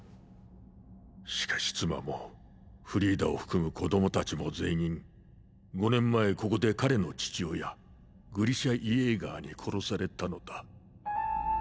しかし妻もフリーダを含む子供たちも全員５年前ここで彼の父親グリシャ・イェーガーに殺されたのだ。